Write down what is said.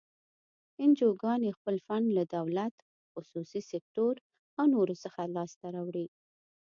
انجوګانې خپل فنډ له دولت، خصوصي سکتور او نورو څخه لاس ته راوړي.